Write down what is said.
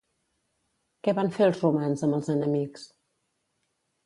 Què van fer els romans amb els enemics?